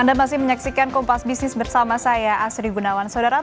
anda masih menyaksikan kompas bisnis bersama saya asri gunawan saudara